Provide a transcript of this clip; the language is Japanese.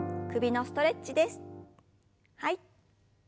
はい。